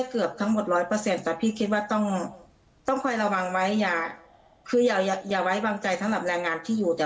เขาบอกว่าเขาควบคุมได้เกือบทั้งหมด๑๐๐